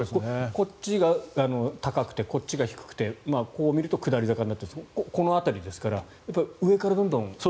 こっちが高くて、こっちが低くてこう見ると下り坂になっていてこの辺りですから上からどんどん。